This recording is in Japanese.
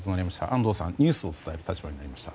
安藤さん、ニュースを伝える立場になりました。